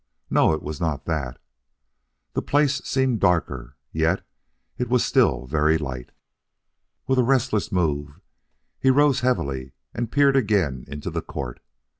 No, it was not that. The place seemed darker, yet it was still very light. With a restless move, he rose heavily and peered again into the court.